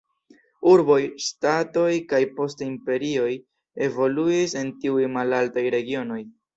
Urboj, ŝtatoj kaj poste imperioj evoluis en tiuj malaltaj regionoj.